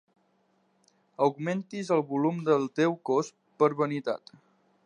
Augmentis el volum del teu cos per vanitat.